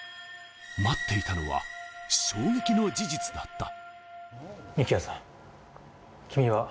待っていたのは衝撃の事実だった。